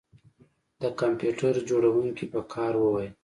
د کمپیوټر جوړونکي په قهر وویل